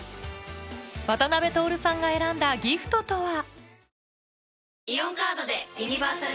渡辺徹さんが選んだギフトとは？